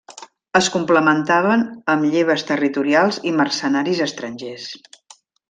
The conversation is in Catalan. Es complementaven amb lleves territorials i mercenaris estrangers.